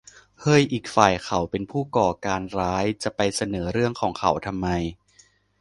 เฮ้ย อีกฝ่ายเขาเป็นผู้ก่อการร้าย จะไปเสนอเรื่องของเขาทำไม ?